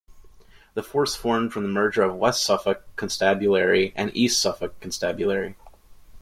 The force formed from the merger of West Suffolk Constabulary and East Suffolk Constabulary.